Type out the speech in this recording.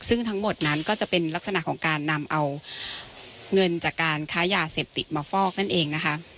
ซึ่งทั้งหมดนั้นก็จะเป็นลักษณะของการนำเอาเงินจากการค้ายาเสพติดมาฟอกนั่นเองนะคะ